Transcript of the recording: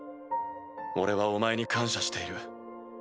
俺はお前に感謝している。